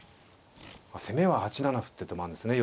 攻めは８七歩っていう手もあるんですね